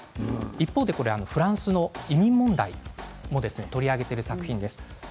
一方でフランスの移民問題も取り上げている作品です。